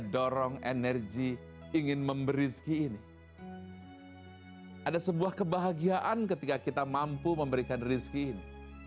dorong energi ingin memberi zikir ini ada sebuah kebahagiaan ketika kita mampu memberikan rezeki